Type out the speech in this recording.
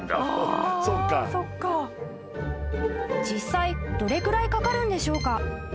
［実際どれくらいかかるんでしょうか？］